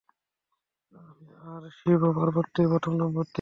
আর শিব ও পার্বতী প্রথম দম্পতি।